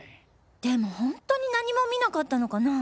でも本当に何も見なかったのかなぁ？